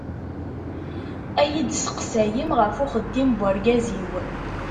Ad iyi-d-testeqsayem ɣef uxeddim n ugraz-iw.